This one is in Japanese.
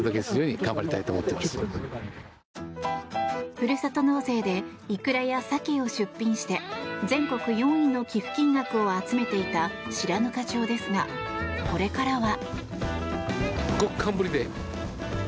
ふるさと納税でイクラやサケを出品して全国４位の寄付金額を集めていた白糠町ですが、これからは。